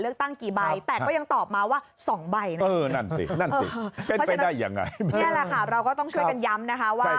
เราก็ต้องช่วยกันย้ำนะครับว่า